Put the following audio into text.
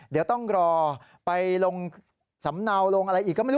เดี๋ยวต้องรอไปลงสำเนาลงอะไรอีกก็ไม่รู้